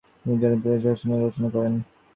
তিনি জনপ্রিয় উপন্যাস জোহরা রচনা করেন।